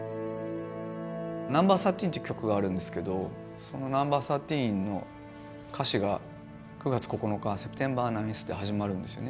「Ｎｏ．１３」っていう曲があるんですけどその「Ｎｏ．１３」の歌詞が９月９日「Ｓｅｐｔｅｍｂｅｒ９ｔｈ」で始まるんですよね。